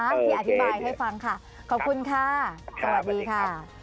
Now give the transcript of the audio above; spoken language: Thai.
ที่อธิบายให้ฟังค่ะขอบคุณค่ะสวัสดีค่ะ